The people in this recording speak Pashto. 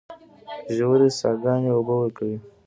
ژورې څاګانې اوبه ورکوي.